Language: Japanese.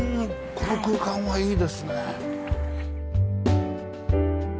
この空間はいいですね。